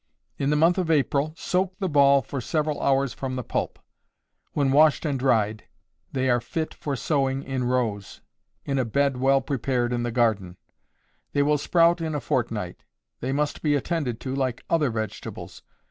In the month of April, soak the ball for several hours from the pulp; when washed and dried, they are fit for sowing in rows, in a bed well prepared in the garden; they will sprout in a fortnight; they must be attended to like other vegetables.